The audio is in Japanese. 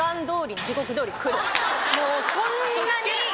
もうこんなに。